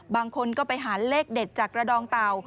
บางคนก็ไปหาเลขเด็ดจากกระดองเต่า